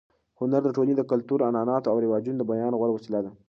هنر د ټولنې د کلتور، عنعناتو او رواجونو د بیان غوره وسیله ده.